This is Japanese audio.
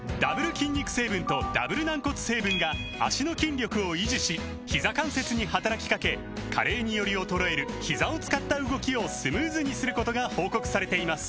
筋肉成分とダブル軟骨成分が脚の筋力を維持しひざ関節に働きかけ加齢により衰えるひざを使った動きをスムーズにすることが報告されています